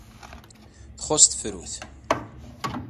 Txuṣṣ tefrut.